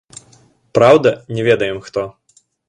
Праўда, не ведаем хто.